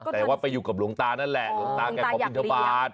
แต่ว่าไปอยู่กับหลวงตานั่นแหละหลวงตาแกขอบินทบาท